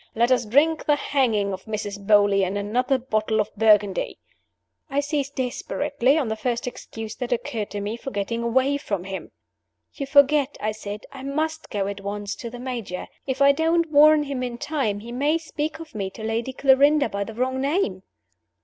Let us drink to the hanging of Mrs. Beauly in another bottle of Burgundy!" I seized desperately on the first excuse that occurred to me for getting away from him. "You forget," I said "I must go at once to the Major. If I don't warn him in time, he may speak of me to Lady Clarinda by the wrong name."